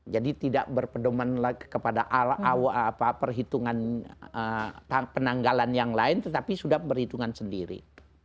jadi tidak berpendaman lagi kepada perhitungan penanggalan yang lain tetapi sudah berhitungan sendiri